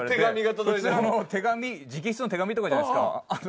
普通手紙直筆の手紙とかじゃないですか。